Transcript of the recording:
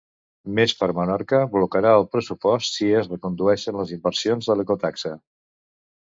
Més per Menorca blocarà el pressupost si es recondueixen les inversions de l'ecotaxa.